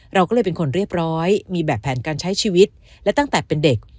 เราก็เลยเป็นคนเรียบร้อยมีแบบแผนการใช้ชีวิตและตั้งแต่เป็นเด็ก